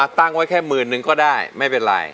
ตั้งไว้แค่หมื่นนึงก็ได้ไม่เป็นไร